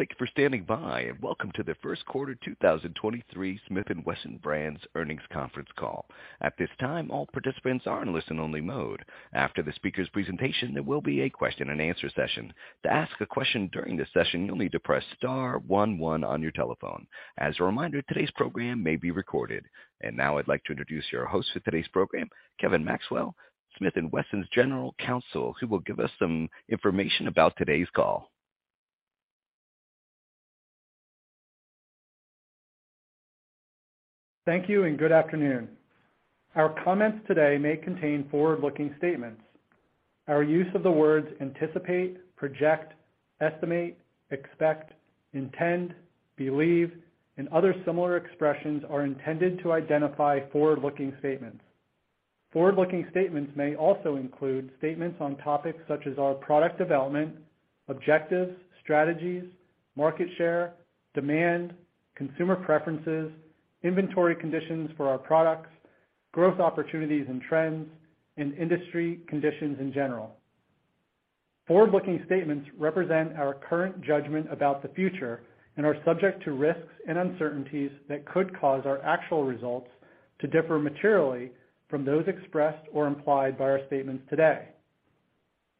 Thank you for standing by and welcome to the first quarter 2023 Smith & Wesson Brands earnings conference call. At this time, all participants are in listen only mode. After the speakers presentation, there will be a question and answer session. To ask a question during this session, you'll need to press star one one on your telephone. As a reminder, today's program may be recorded. Now I'd like to introduce your host for today's program, Kevin Maxwell, Smith & Wesson's General Counsel, who will give us some information about today's call. Thank you and good afternoon. Our comments today may contain forward-looking statements. Our use of the words anticipate, project, estimate, expect, intend, believe, and other similar expressions are intended to identify forward-looking statements. Forward-looking statements may also include statements on topics such as our product development, objectives, strategies, market share, demand, consumer preferences, inventory conditions for our products, growth opportunities and trends, and industry conditions in general. Forward-looking statements represent our current judgment about the future and are subject to risks and uncertainties that could cause our actual results to differ materially from those expressed or implied by our statements today.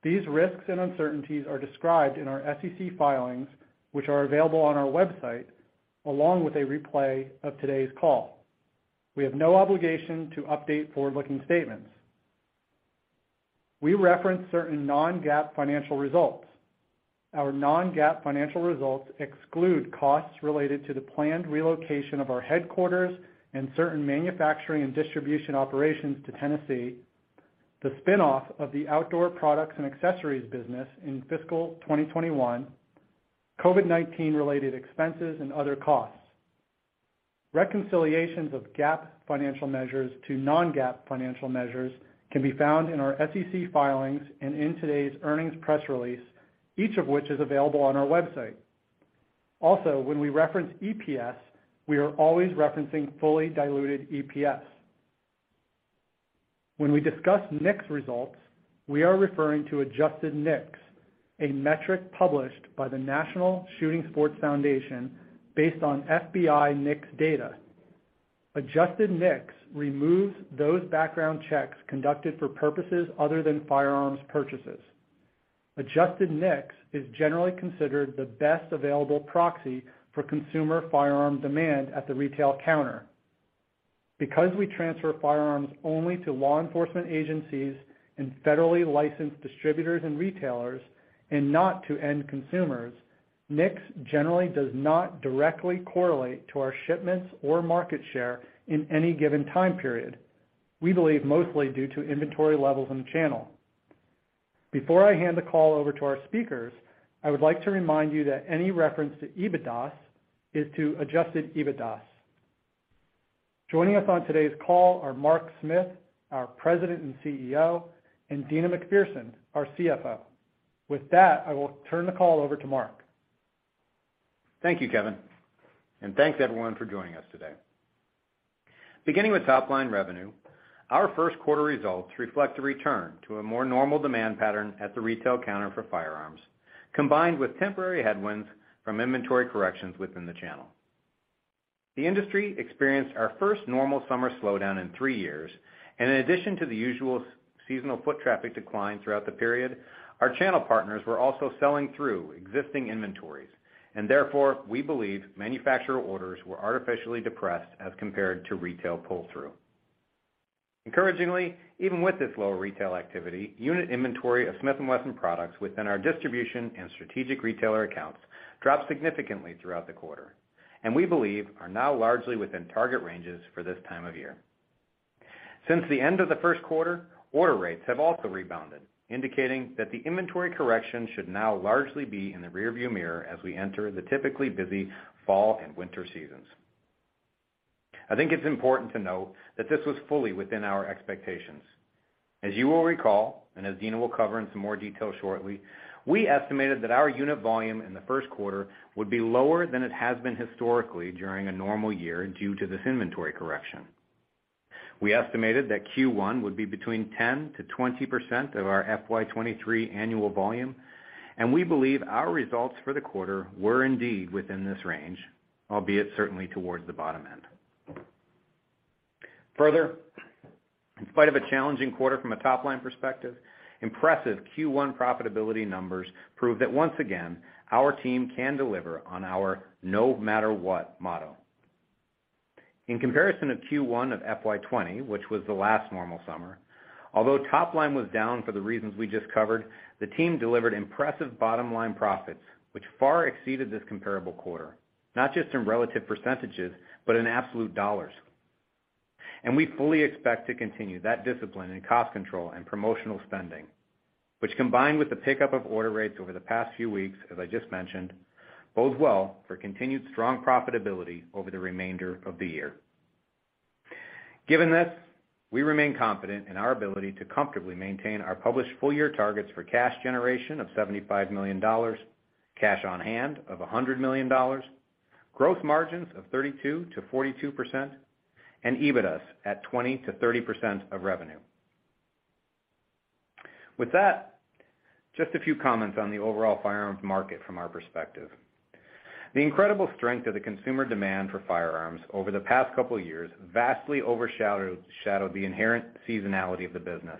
These risks and uncertainties are described in our SEC filings, which are available on our website, along with a replay of today's call. We have no obligation to update forward-looking statements. We reference certain non-GAAP financial results. Our non-GAAP financial results exclude costs related to the planned relocation of our headquarters and certain manufacturing and distribution operations to Tennessee, the spin-off of the outdoor products and accessories business in fiscal 2021, COVID-19 related expenses and other costs. Reconciliations of GAAP financial measures to non-GAAP financial measures can be found in our SEC filings and in today's earnings press release, each of which is available on our website. Also, when we reference EPS, we are always referencing fully diluted EPS. When we discuss NICS results, we are referring to adjusted NICS, a metric published by the National Shooting Sports Foundation based on FBI NICS data. Adjusted NICS removes those background checks conducted for purposes other than firearms purchases. Adjusted NICS is generally considered the best available proxy for consumer firearm demand at the retail counter. Because we transfer firearms only to law enforcement agencies and federally licensed distributors and retailers and not to end consumers, NICS generally does not directly correlate to our shipments or market share in any given time period. We believe mostly due to inventory levels and channel. Before I hand the call over to our speakers, I would like to remind you that any reference to EBITDA is to adjusted EBITDA. Joining us on today's call are Mark Smith, our President and CEO, and Deana McPherson, our CFO. With that, I will turn the call over to Mark. Thank you, Kevin. Thanks everyone for joining us today. Beginning with top line revenue, our first quarter results reflect a return to a more normal demand pattern at the retail counter for firearms, combined with temporary headwinds from inventory corrections within the channel. The industry experienced our first normal summer slowdown in three years, and in addition to the usual seasonal foot traffic decline throughout the period, our channel partners were also selling through existing inventories. Therefore, we believe manufacturer orders were artificially depressed as compared to retail pull-through. Encouragingly, even with this lower retail activity, unit inventory of Smith & Wesson products within our distribution and strategic retailer accounts dropped significantly throughout the quarter, and we believe are now largely within target ranges for this time of year. Since the end of the first quarter, order rates have also rebounded, indicating that the inventory correction should now largely be in the rearview mirror as we enter the typically busy fall and winter seasons. I think it's important to note that this was fully within our expectations. As you will recall, and as Deana will cover in some more detail shortly, we estimated that our unit volume in the first quarter would be lower than it has been historically during a normal year due to this inventory correction. We estimated that Q1 would be between 10%-20% of our FY 2023 annual volume, and we believe our results for the quarter were indeed within this range, albeit certainly towards the bottom end. Further, in spite of a challenging quarter from a top-line perspective, impressive Q1 profitability numbers prove that once again, our team can deliver on our no matter what motto. In comparison to Q1 of FY 2020, which was the last normal summer, although top line was down for the reasons we just covered, the team delivered impressive bottom line profits, which far exceeded this comparable quarter, not just in relative percentages, but in absolute dollars. We fully expect to continue that discipline in cost control and promotional spending, which combined with the pickup of order rates over the past few weeks, as I just mentioned, bodes well for continued strong profitability over the remainder of the year. Given this, we remain confident in our ability to comfortably maintain our published full year targets for cash generation of $75 million, cash on hand of $100 million, growth margins of 32%-42%, and EBITDA at 20%-30% of revenue. With that, just a few comments on the overall firearms market from our perspective. The incredible strength of the consumer demand for firearms over the past couple of years vastly overshadowed the inherent seasonality of the business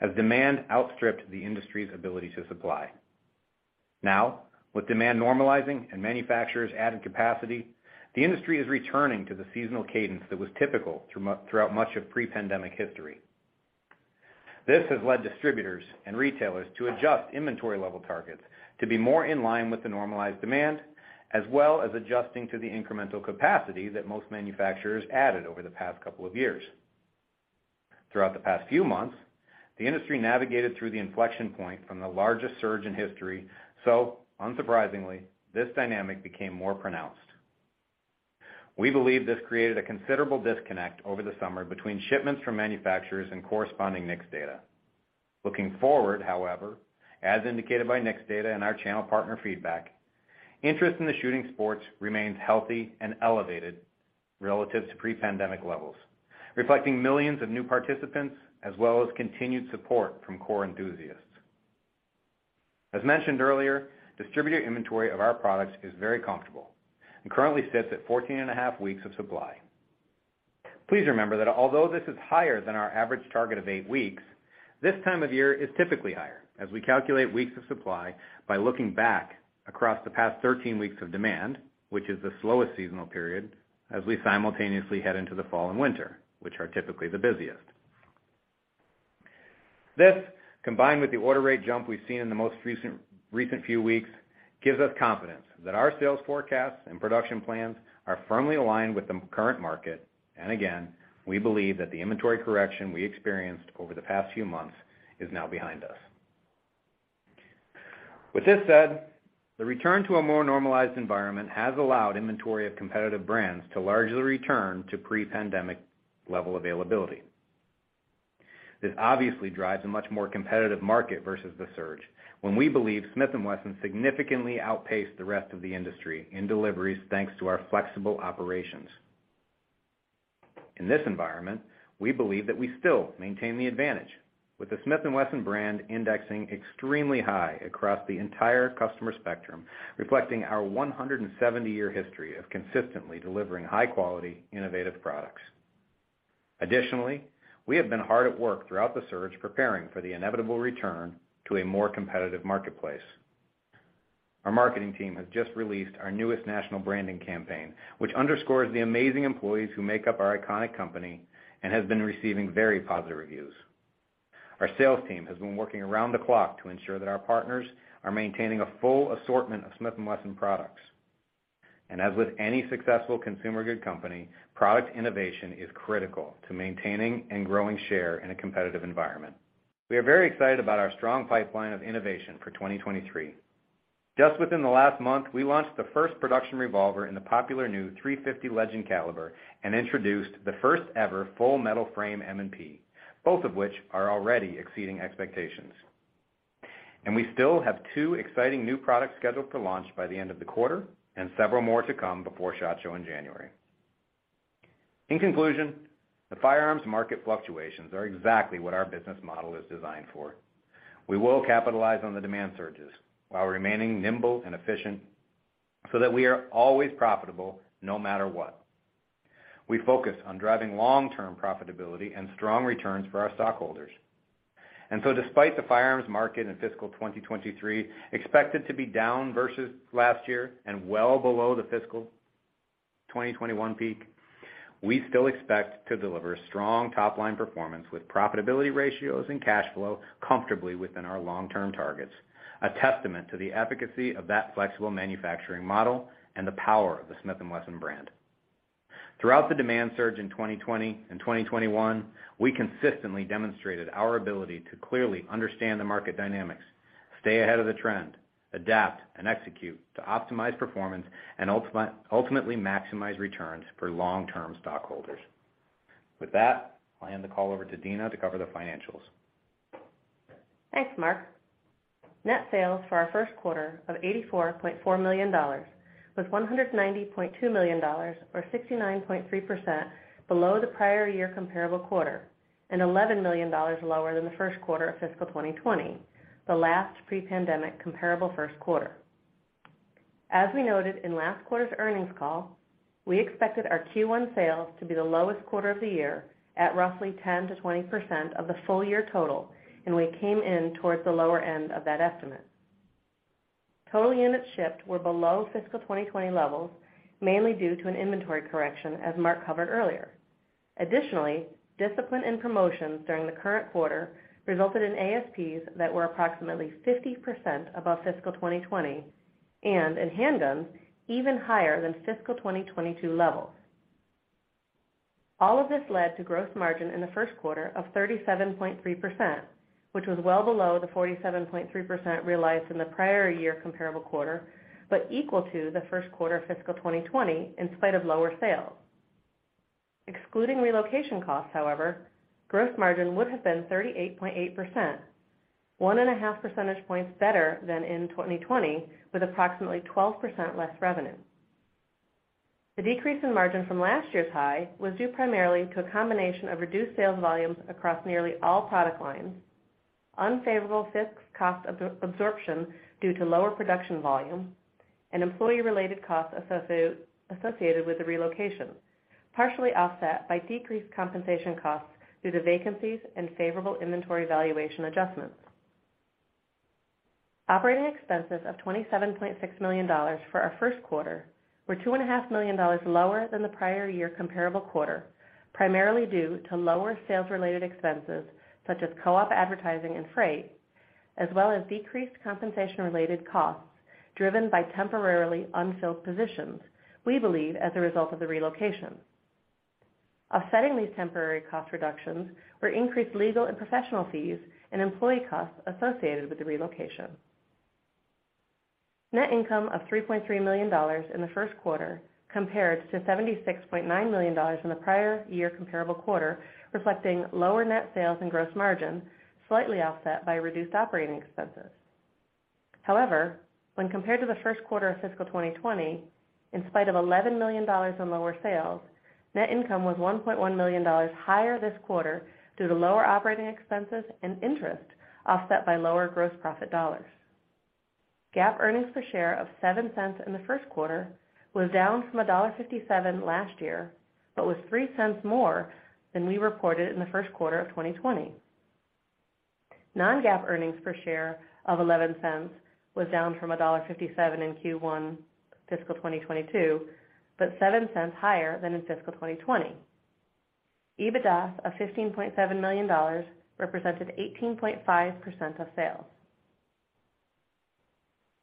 as demand outstripped the industry's ability to supply. Now, with demand normalizing and manufacturers adding capacity, the industry is returning to the seasonal cadence that was typical throughout much of pre-pandemic history. This has led distributors and retailers to adjust inventory level targets to be more in line with the normalized demand, as well as adjusting to the incremental capacity that most manufacturers added over the past couple of years. Throughout the past few months, the industry navigated through the inflection point from the largest surge in history, so unsurprisingly, this dynamic became more pronounced. We believe this created a considerable disconnect over the summer between shipments from manufacturers and corresponding NICS data. Looking forward, however, as indicated by NICS data and our channel partner feedback, interest in the shooting sports remains healthy and elevated relative to pre-pandemic levels, reflecting millions of new participants, as well as continued support from core enthusiasts. As mentioned earlier, distributor inventory of our products is very comfortable and currently sits at 14.5 weeks of supply. Please remember that although this is higher than our average target of eight weeks, this time of year is typically higher, as we calculate weeks of supply by looking back across the past 13 weeks of demand, which is the slowest seasonal period, as we simultaneously head into the fall and winter, which are typically the busiest. This, combined with the order rate jump we've seen in the most recent few weeks, gives us confidence that our sales forecasts and production plans are firmly aligned with the current market. Again, we believe that the inventory correction we experienced over the past few months is now behind us. With this said, the return to a more normalized environment has allowed inventory of competitive brands to largely return to pre-pandemic level availability. This obviously drives a much more competitive market versus the surge when we believe Smith & Wesson significantly outpaced the rest of the industry in deliveries, thanks to our flexible operations. In this environment, we believe that we still maintain the advantage with the Smith & Wesson brand indexing extremely high across the entire customer spectrum, reflecting our 170-year history of consistently delivering high quality, innovative products. Additionally, we have been hard at work throughout the surge, preparing for the inevitable return to a more competitive marketplace. Our marketing team has just released our newest national branding campaign, which underscores the amazing employees who make up our iconic company and has been receiving very positive reviews. Our sales team has been working around the clock to ensure that our partners are maintaining a full assortment of Smith & Wesson products. As with any successful consumer good company, product innovation is critical to maintaining and growing share in a competitive environment. We are very excited about our strong pipeline of innovation for 2023. Just within the last month, we launched the first production revolver in the popular new 350 Legend caliber and introduced the first ever full metal frame M&P, both of which are already exceeding expectations. We still have two exciting new products scheduled for launch by the end of the quarter and several more to come before SHOT Show in January. In conclusion, the firearms market fluctuations are exactly what our business model is designed for. We will capitalize on the demand surges while remaining nimble and efficient, so that we are always profitable no matter what. We focus on driving long-term profitability and strong returns for our stockholders. Despite the firearms market in fiscal 2023 expected to be down versus last year and well below the fiscal 2021 peak, we still expect to deliver strong top-line performance with profitability ratios and cash flow comfortably within our long-term targets, a testament to the efficacy of that flexible manufacturing model and the power of the Smith & Wesson brand. Throughout the demand surge in 2020 and 2021, we consistently demonstrated our ability to clearly understand the market dynamics, stay ahead of the trend, adapt and execute to optimize performance, and ultimately maximize returns for long-term stockholders. With that, I hand the call over to Deana to cover the financials. Thanks, Mark. Net sales for our first quarter of $84.4 million was $192 million or 69.3% below the prior year comparable quarter, and $11 million lower than the first quarter of fiscal 2020, the last pre-pandemic comparable first quarter. We noted in last quarter's earnings call, we expected our Q1 sales to be the lowest quarter of the year at roughly 10%-20% of the full year total, and we came in towards the lower end of that estimate. Total units shipped were below fiscal 2020 levels, mainly due to an inventory correction as Mark covered earlier. Additionally, discipline and promotions during the current quarter resulted in ASPs that were approximately 50% above fiscal 2020 and in handguns, even higher than fiscal 2022 levels. All of this led to gross margin in the first quarter of 37.3%, which was well below the 47.3% realized in the prior year comparable quarter, but equal to the first quarter of fiscal 2020 in spite of lower sales. Excluding relocation costs, however, gross margin would have been 38.8%, 1.5 percentage points better than in 2020 with approximately 12% less revenue. The decrease in margin from last year's high was due primarily to a combination of reduced sales volumes across nearly all product lines, unfavorable fixed cost absorption due to lower production volume, and employee-related costs associated with the relocation, partially offset by decreased compensation costs due to vacancies and favorable inventory valuation adjustments. Operating expenses of $27.6 million for our first quarter were $2.5 Million lower than the prior year comparable quarter, primarily due to lower sales-related expenses such as co-op advertising and freight, as well as decreased compensation-related costs driven by temporarily unfilled positions, we believe as a result of the relocation. Offsetting these temporary cost reductions were increased legal and professional fees and employee costs associated with the relocation. Net income of $3.3 million in the first quarter compared to $76.9 million in the prior year comparable quarter, reflecting lower net sales and gross margin, slightly offset by reduced operating expenses. However, when compared to the first quarter of fiscal 2020, in spite of $11 million in lower sales, net income was $1.1 million higher this quarter due to lower operating expenses and interest offset by lower gross profit dollars. GAAP earnings per share of $0.07 in the first quarter was down from $1.57 last year, but was $0.03 more than we reported in the first quarter of 2020. Non-GAAP earnings per share of $0.11 was down from $1.57 in Q1 fiscal 2022, but $0.07 higher than in fiscal 2020. EBITDA of $15.7 million represented 18.5% of sales.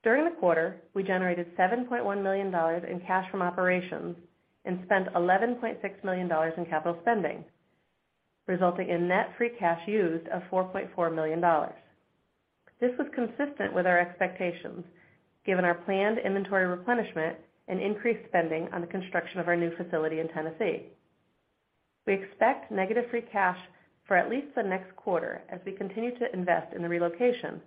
During the quarter, we generated $7.1 million in cash from operations and spent $11.6 million in capital spending, resulting in net free cash used of $4.4 million. This was consistent with our expectations, given our planned inventory replenishment and increased spending on the construction of our new facility in Tennessee. We expect negative free cash for at least the next quarter as we continue to invest in the relocation,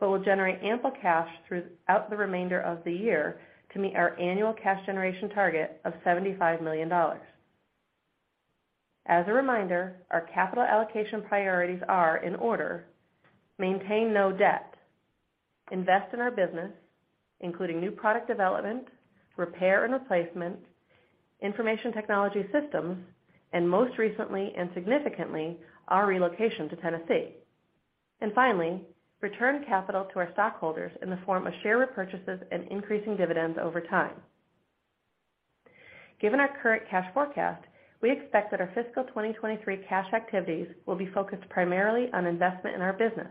but will generate ample cash throughout the remainder of the year to meet our annual cash generation target of $75 million. As a reminder, our capital allocation priorities are, in order, maintain no debt, invest in our business, including new product development, repair and replacement, information technology systems, and most recently and significantly, our relocation to Tennessee. Finally, return capital to our stockholders in the form of share repurchases and increasing dividends over time. Given our current cash forecast, we expect that our fiscal 2023 cash activities will be focused primarily on investment in our business.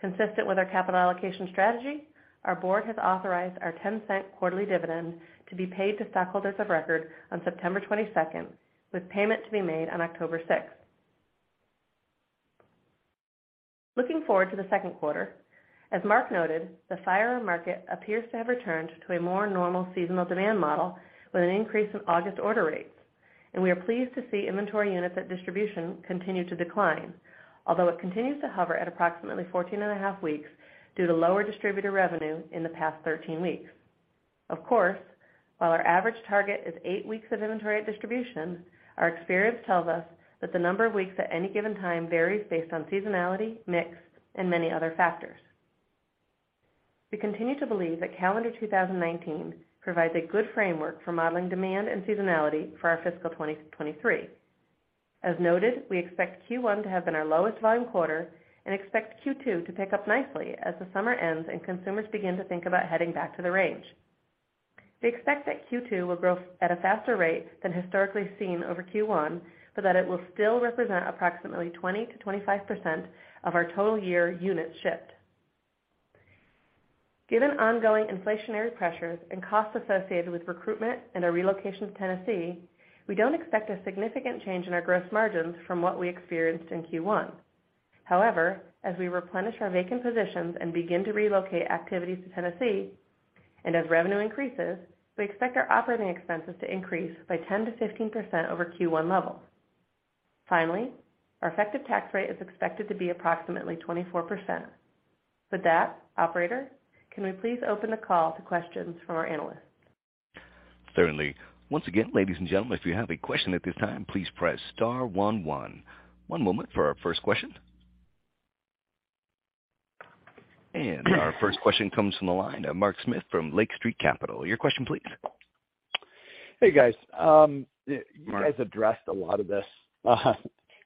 Consistent with our capital allocation strategy, our board has authorized our $0.10 quarterly dividend to be paid to stockholders of record on September 22nd, with payment to be made on October 6th. Looking forward to the second quarter, as Mark noted, the firearm market appears to have returned to a more normal seasonal demand model with an increase in August order rates. We are pleased to see inventory units at distribution continue to decline, although it continues to hover at approximately 14.5 weeks due to lower distributor revenue in the past 13 weeks. Of course, while our average target is 8 weeks of inventory at distribution, our experience tells us that the number of weeks at any given time varies based on seasonality, mix, and many other factors. We continue to believe that calendar 2019 provides a good framework for modeling demand and seasonality for our fiscal 2023. As noted, we expect Q1 to have been our lowest volume quarter and expect Q2 to pick up nicely as the summer ends and consumers begin to think about heading back to the range. We expect that Q2 will grow at a faster rate than historically seen over Q1, but that it will still represent approximately 20%-25% of our total year units shipped. Given ongoing inflationary pressures and costs associated with recruitment and our relocation to Tennessee, we don't expect a significant change in our gross margins from what we experienced in Q1. However, as we replenish our vacant positions and begin to relocate activities to Tennessee, and as revenue increases, we expect our operating expenses to increase by 10%-15% over Q1 levels. Finally, our effective tax rate is expected to be approximately 24%. With that, operator, can we please open the call to questions from our analysts? Certainly. Once again, ladies and gentlemen, if you have a question at this time, please press star one one. One moment for our first question. Our first question comes from the line, Mark Smith from Lake Street Capital. Your question please. Hey, guys. You guys addressed a lot of this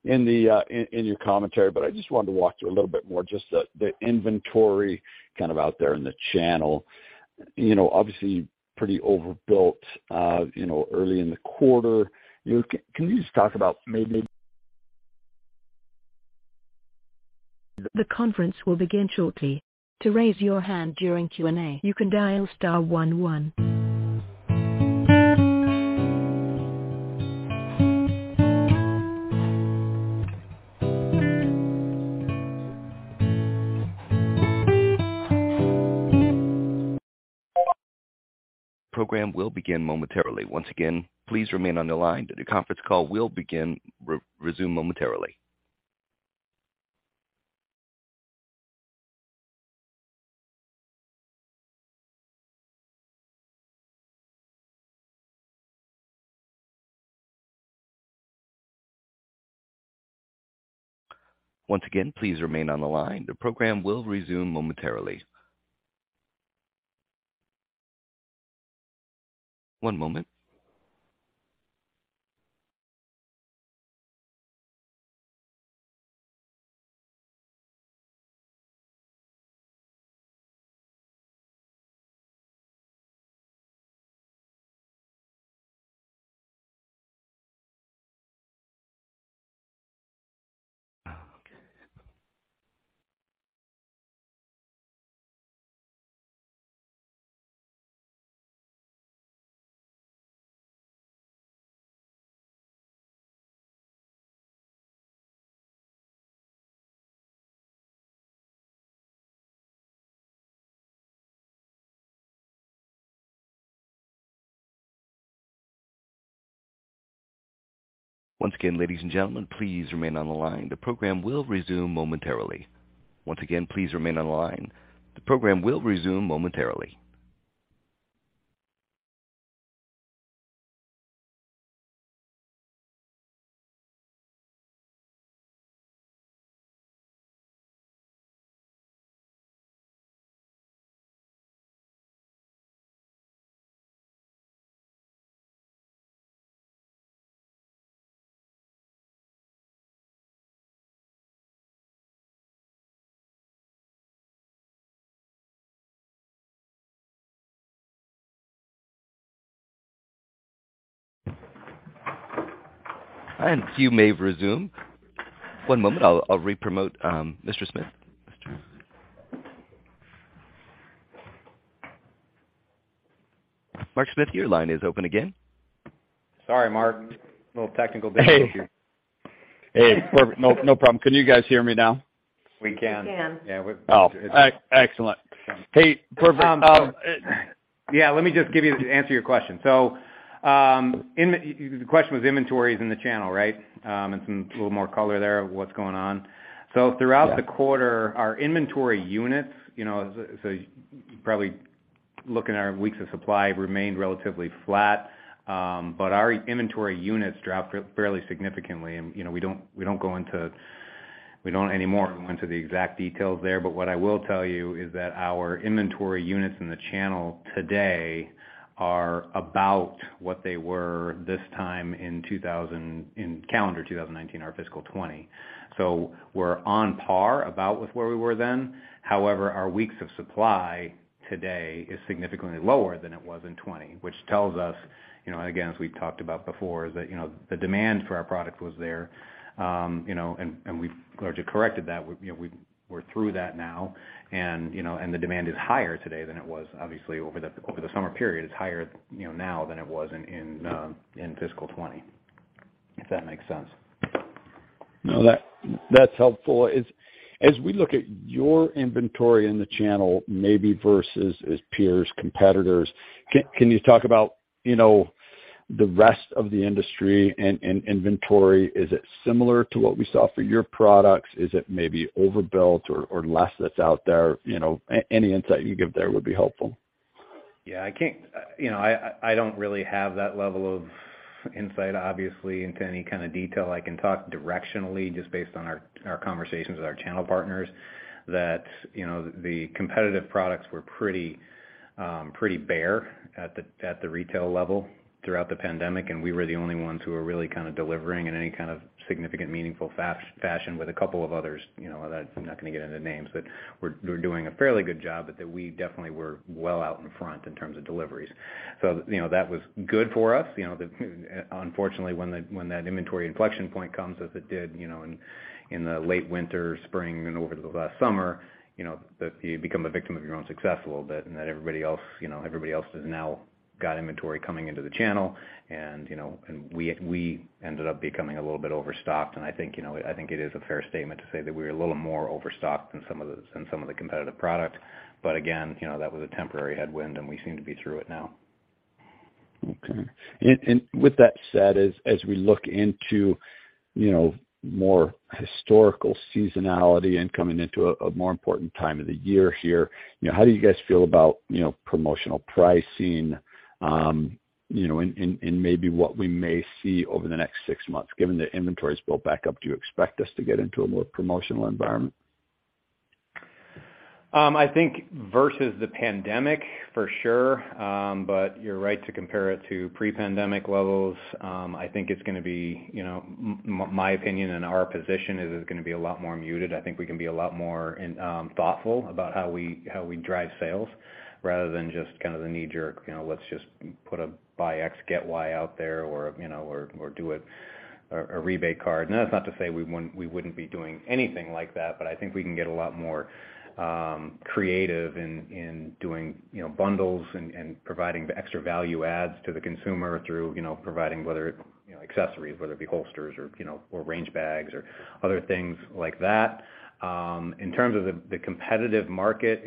in your commentary, but I just wanted to walk through a little bit more just the inventory kind of out there in the channel. You know, obviously pretty overbuilt, you know, early in the quarter. You know, can you just talk about maybe- The conference will begin shortly. To raise your hand during Q&A, you can dial star one one. You may resume. One moment. I'll re-promote Mr. Smith. Mark Smith, your line is open again. Sorry, Mark. A little technical difficulty here. Hey. Hey, no problem. Can you guys hear me now? We can. We can. Yeah, we're Oh, excellent. Hey, perfect. Yeah, let me just give you answer your question. The question was inventories in the channel, right? Some little more color there of what's going on. Throughout the quarter, our inventory units, you know, probably looking at our weeks of supply remained relatively flat. Our inventory units dropped fairly significantly and, you know, we don't anymore go into the exact details there. What I will tell you is that our inventory units in the channel today are about what they were this time in calendar 2019, our fiscal 2020. We're on par about with where we were then. However, our weeks of supply today is significantly lower than it was in 2020, which tells us, you know, again, as we've talked about before, is that, you know, the demand for our product was there, you know, and we've largely corrected that. We're through that now. You know, the demand is higher today than it was obviously over the summer period. It's higher, you know, now than it was in fiscal 2020, if that makes sense. No, that's helpful. As we look at your inventory in the channel, maybe versus our peers, competitors, can you talk about, you know, the rest of the industry and inventory? Is it similar to what we saw for your products? Is it maybe overbuilt or less that's out there? You know, any insight you can give there would be helpful. Yeah, I can't. You know, I don't really have that level of insight, obviously, into any kind of detail. I can talk directionally just based on our conversations with our channel partners that, you know, the competitive products were pretty bare at the retail level throughout the pandemic, and we were the only ones who were really kind of delivering in any kind of significant, meaningful fashion with a couple of others. You know, that's not gonna get into names, but we're doing a fairly good job, but that we definitely were well out in front in terms of deliveries. You know, that was good for us. Unfortunately, when that inventory inflection point comes, as it did, you know, in the late winter, spring, and over the last summer, you know, that you become a victim of your own success a little bit and that everybody else, you know, everybody else has now got inventory coming into the channel. You know, we ended up becoming a little bit overstocked. I think, you know, it is a fair statement to say that we were a little more overstocked than some of the competitive products. Again, you know, that was a temporary headwind and we seem to be through it now. Okay. With that said, as we look into you know more historical seasonality and coming into a more important time of the year here, you know, how do you guys feel about you know promotional pricing, you know, and maybe what we may see over the next six months? Given that inventory's built back up, do you expect us to get into a more promotional environment? I think versus the pandemic for sure. But you're right to compare it to pre-pandemic levels. I think it's gonna be, you know, my opinion and our position is it's gonna be a lot more muted. I think we can be a lot more thoughtful about how we drive sales rather than just kind of the knee-jerk, you know, let's just, put a buy X, get Y out there or, you know, or do a rebate card. That's not to say we wouldn't be doing anything like that, but I think we can get a lot more creative in doing, you know, bundles and providing the extra value adds to the consumer through, you know, providing whether it be accessories, whether it be holsters or, you know, or range bags or other things like that. In terms of the competitive market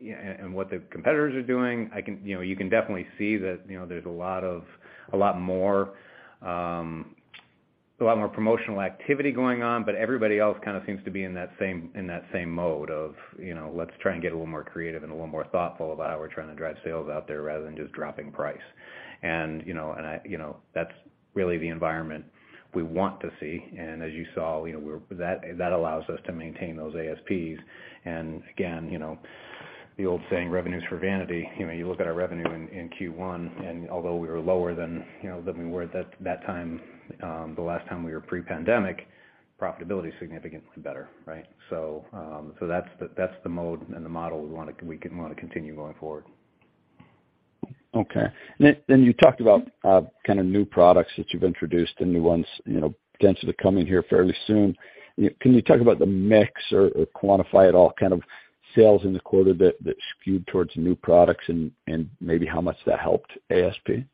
and what the competitors are doing, you know, you can definitely see that, you know, there's a lot more promotional activity going on, but everybody else kind of seems to be in that same mode of, you know, let's try and get a little more creative and a little more thoughtful about how we're trying to drive sales out there rather than just dropping price. You know, that's really the environment we want to see. As you saw, you know, that allows us to maintain those ASPs. Again, you know, the old saying, revenue's for vanity. You know, you look at our revenue in Q1, and although we were lower than you know we were at that time, the last time we were pre-pandemic, profitability is significantly better, right? That's the mode and the model we wanna continue going forward. Okay. You talked about kind of new products that you've introduced and new ones, you know, tend to be coming here fairly soon. Can you talk about the mix or quantify at all kind of sales in the quarter that skewed towards new products and maybe how much that helped ASP?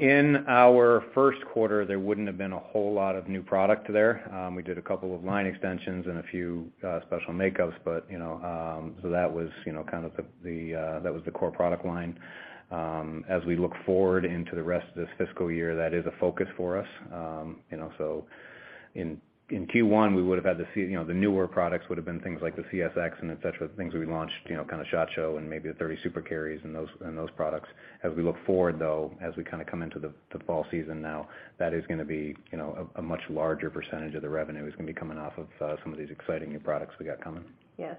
In our first quarter, there wouldn't have been a whole lot of new product there. We did a couple of line extensions and a few special makeups, but you know, so that was you know kind of the core product line. As we look forward into the rest of this fiscal year, that is a focus for us. You know, in Q1, we would have had to see. You know, the newer products would have been things like the CSX and et cetera, the things we launched, you know, kind of SHOT Show and maybe the 30 Super Carry and those products. As we look forward, though, as we kind of come into the fall season now, that is gonna be, you know, a much larger percentage of the revenue is gonna be coming off of some of these exciting new products we got coming. Yeah.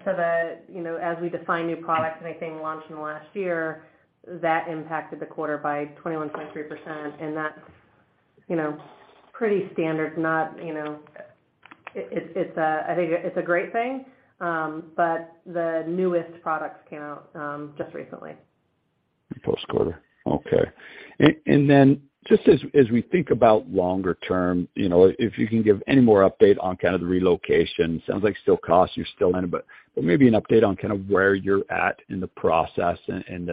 You know, as we define new products, anything launched in the last year that impacted the quarter by 21.3%, and that's, you know, pretty standard. I think it's a great thing, but the newest products came out just recently. Post-quarter. Okay. Then just as we think about longer term, you know, if you can give any more update on kind of the relocation. Sounds like still costs. You're still in, but maybe an update on kind of where you're at in the process and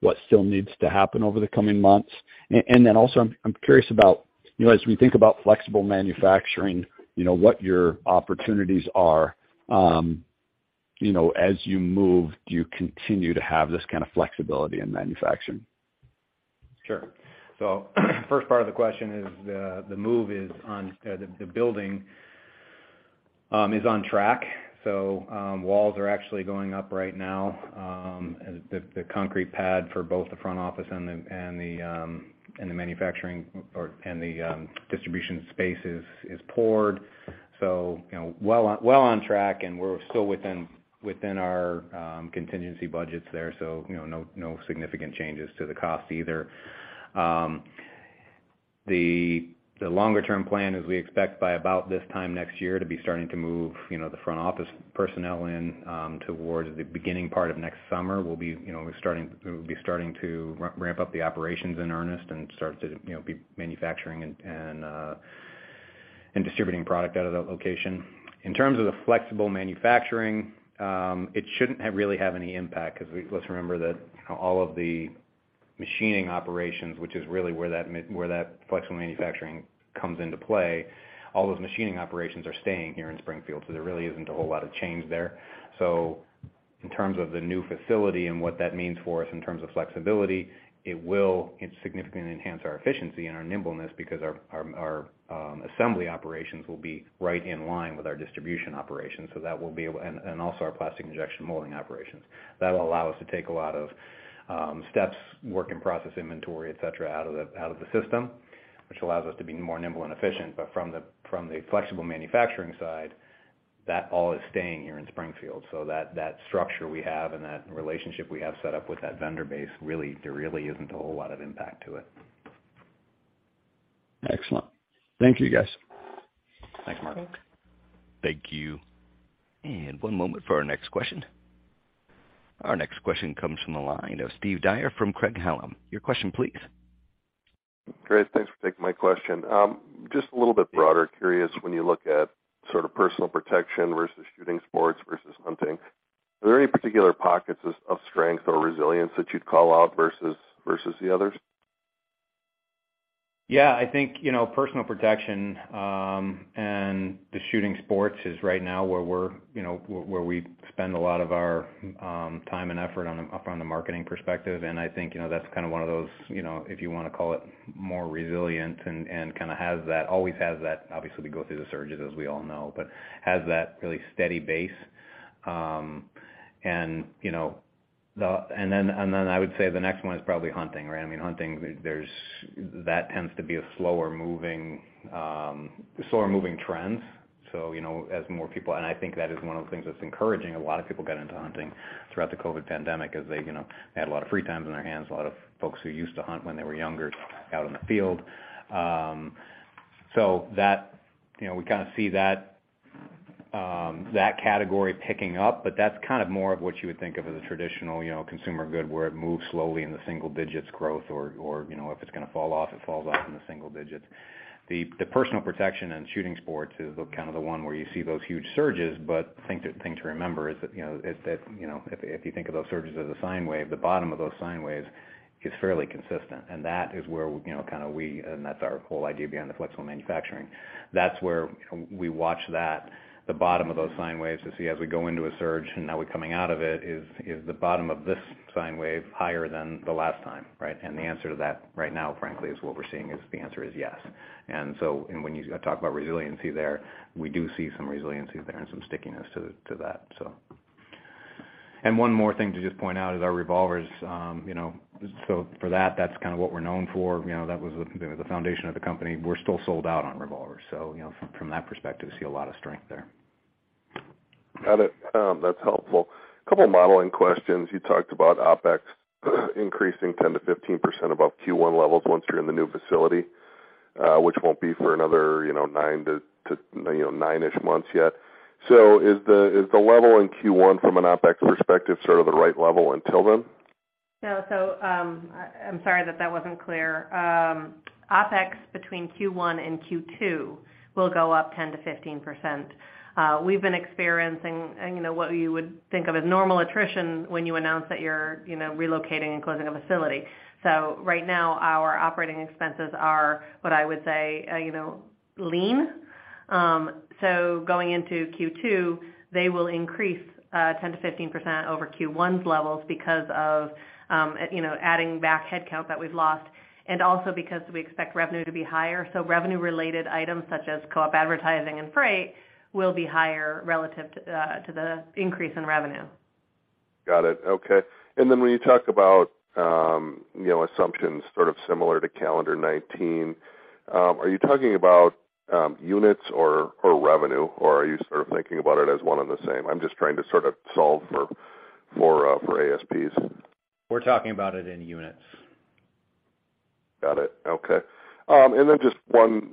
what still needs to happen over the coming months. Then also, I'm curious about, you know, as we think about flexible manufacturing, you know, what your opportunities are, you know, as you move, do you continue to have this kind of flexibility in manufacturing? Sure. First part of the question is the building is on track. Walls are actually going up right now. The concrete pad for both the front office and the manufacturing or distribution space is poured, so you know, well on track, and we're still within our contingency budgets there. You know, no significant changes to the cost either. The longer term plan is we expect by about this time next year to be starting to move you know the front office personnel in towards the beginning part of next summer. We'll be starting to ramp up the operations in earnest and start to, you know, be manufacturing and distributing product out of that location. In terms of the flexible manufacturing, it shouldn't really have any impact 'cause let's remember that all of the machining operations, which is really where that flexible manufacturing comes into play, all those machining operations are staying here in Springfield, so there really isn't a whole lot of change there. In terms of the new facility and what that means for us in terms of flexibility, it will significantly enhance our efficiency and our nimbleness because our assembly operations will be right in line with our distribution operations and also our plastic injection molding operations. That'll allow us to take a lot of steps, work in process inventory, et cetera, out of the system, which allows us to be more nimble and efficient. From the flexible manufacturing side, that all is staying here in Springfield. That structure we have and that relationship we have set up with that vendor base, really, there really isn't a whole lot of impact to it. Excellent. Thank you, guys. Thanks, Mark. Thanks. Thank you. One moment for our next question. Our next question comes from the line of Steve Dyer from Craig-Hallum. Your question, please. Great. Thanks for taking my question. Just a little bit broader, curious when you look at sort of personal protection versus shooting sports versus hunting, are there any particular pockets of strength or resilience that you'd call out versus the others? Yeah. I think, you know, personal protection and the shooting sports is right now where we're, you know, where we spend a lot of our time and effort on the from the marketing perspective. I think, you know, that's kind of one of those, you know, if you wanna call it more resilient and kinda has that always has that, obviously, we go through the surges, as we all know, but has that really steady base. I would say the next one is probably hunting, right? I mean, hunting there's that tends to be a slower moving trends. You know, as more people. I think that is one of the things that's encouraging a lot of people get into hunting throughout the COVID pandemic is they, you know, had a lot of free times on their hands, a lot of folks who used to hunt when they were younger out in the field. So that, you know, we kind of see that category picking up, but that's kind of more of what you would think of as a traditional, you know, consumer good, where it moves slowly in the single digits growth or, you know, if it's gonna fall off, it falls off in the single digits. The personal protection and shooting sports is the kind of the one where you see those huge surges, but the thing to remember is that, you know, if you think of those surges as a sine wave, the bottom of those sine waves is fairly consistent. That is where, you know, that's our whole idea behind the flexible manufacturing. That's where we watch the bottom of those sine waves to see as we go into a surge and now we're coming out of it, is the bottom of this sine wave higher than the last time, right? The answer to that right now, frankly, is what we're seeing. The answer is yes. When you talk about resiliency there, we do see some resiliency there and some stickiness to that, so. One more thing to just point out is our revolvers. You know, for that's kinda what we're known for. You know, that was the foundation of the company. We're still sold out on revolvers. You know, from that perspective, see a lot of strength there. Got it. That's helpful. Couple modeling questions. You talked about OpEx increasing 10%-15% above Q1 levels once you're in the new facility, which won't be for another, you know, 9 months to, you know, 9-ish months yet. Is the level in Q1 from an OpEx perspective sort of the right level until then? No, I'm sorry that wasn't clear. OpEx between Q1 and Q2 will go up 10%-15%. We've been experiencing, you know, what you would think of as normal attrition when you announce that you're, you know, relocating and closing a facility. Right now our operating expenses are what I would say, you know, lean. Going into Q2, they will increase 10%-15% over Q1's levels because of, you know, adding back headcount that we've lost and also because we expect revenue to be higher. Revenue related items such as co-op advertising and freight will be higher relative to the increase in revenue. Got it. Okay. When you talk about, you know, assumptions sort of similar to calendar 2019, are you talking about units or revenue, or are you sort of thinking about it as one and the same? I'm just trying to sort of solve for ASPs. We're talking about it in units. Got it. Okay. Just one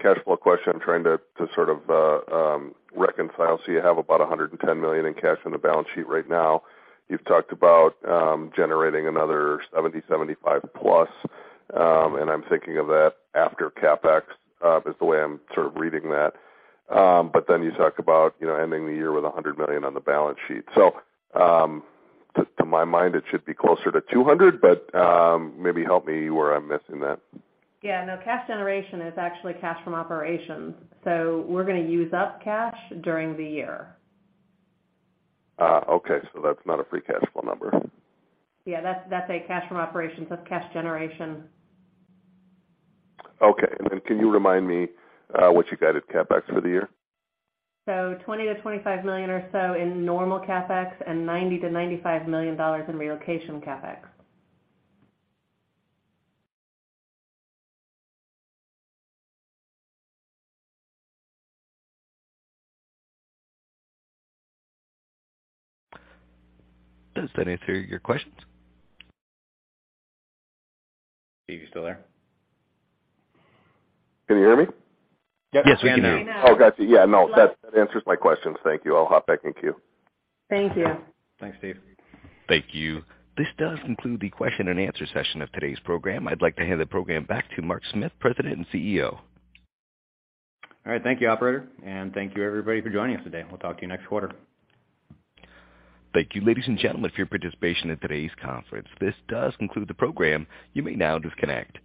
cash flow question I'm trying to sort of reconcile. You have about $110 million in cash on the balance sheet right now. You've talked about generating another $70 million-$75+ million, and I'm thinking of that after CapEx is the way I'm sort of reading that. You talk about, you know, ending the year with $100 million on the balance sheet. To my mind it should be closer to $200 million, but maybe help me where I'm missing that. Yeah, no, cash generation is actually cash from operations, so we're gonna use up cash during the year. Okay. That's not a free cash flow number. Yeah. That's a cash from operations. That's cash generation. Okay. Can you remind me, what you guided CapEx for the year? $20 million-$25 million or so in normal CapEx and $90 million-$95 million in relocation CapEx. Is there any other questions? Steve, you still there? Can you hear me? Yep. Yes, we can hear you. We can hear you now. Oh, got you. Yeah, no, that answers my questions. Thank you. I'll hop back in queue. Thank you. Thanks, Steve. Thank you. This does conclude the question and answer session of today's program. I'd like to hand the program back to Mark Smith, President and CEO. All right. Thank you, operator, and thank you everybody for joining us today. We'll talk to you next quarter. Thank you, ladies and gentlemen, for your participation in today's conference. This does conclude the program. You may now disconnect. Good day.